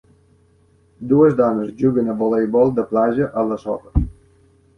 Dues dones juguen a voleibol de platja a la sorra.